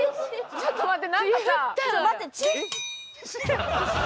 ちょっと待って。